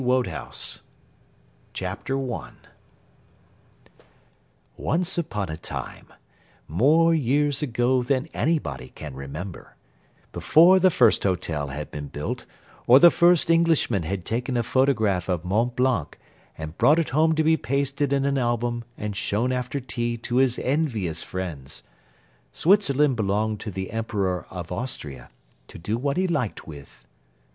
WILLIAM TELL CHAPTER I Once upon a time, more years ago than anybody can remember, before the first hotel had been built or the first Englishman had taken a photograph of Mont Blanc and brought it home to be pasted in an album and shown after tea to his envious friends, Switzerland belonged to the Emperor of Austria, to do what he liked with.